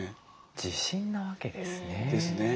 自信なわけですね。ですね。